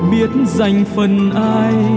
biết dành phần ai